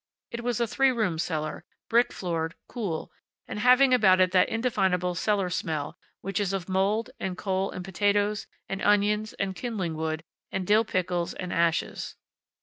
It was a three roomed cellar, brick floored, cool, and having about it that indefinable cellar smell which is of mold, and coal, and potatoes, and onions, and kindling wood, and dill pickles and ashes.